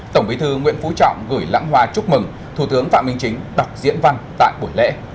tổng bí thư nguyễn phú trọng gửi lãng hoa chúc mừng thủ tướng phạm minh chính đọc diễn văn tại buổi lễ